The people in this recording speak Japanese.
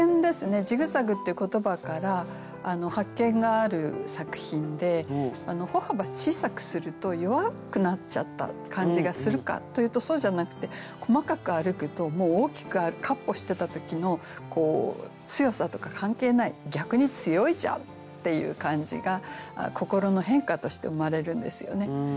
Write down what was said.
「ジグザグ」っていう言葉から発見がある作品で歩幅小さくすると弱くなっちゃった感じがするかというとそうじゃなくて細かく歩くと大きくかっ歩してた時の強さとか関係ない逆に強いじゃんっていう感じが心の変化として生まれるんですよね。